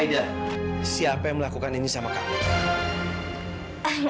tidak siapa yang melakukan ini sama kamu